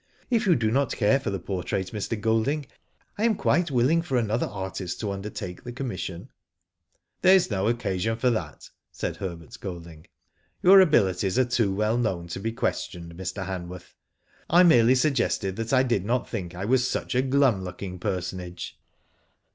If you do not care for the portrait, Mr. Golding, I am quite willing for another artist to undertake the commission." ''There is no occasion for that," said Herbert Golding. " Your abilities are too well known to be questioned, Mn Hanworth. I merely suggested that I did not think I was such a glum looking personage."